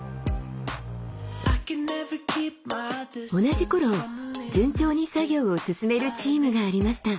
同じ頃順調に作業を進めるチームがありました。